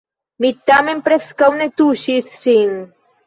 Mi tamen preskaŭ ne tuŝis ŝin.